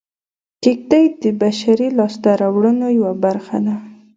کېږدۍ د بشري لاسته راوړنو یوه برخه ده